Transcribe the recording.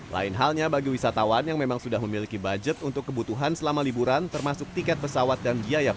lain halnya bagi wisatawan yang memang sudah memiliki budget untuk kebutuhan selama liburan termasuk tiket pesawat dan biaya